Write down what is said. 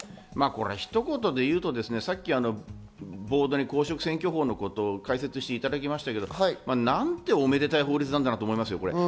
ひと言で言うとさっきボードに公職選挙法のこと、解説していただきましたけど、なんておめでたい法律なんだろうと思います。